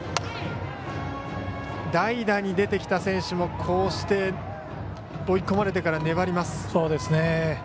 代打に出てきた選手もこうして追い込まれてから粘ります。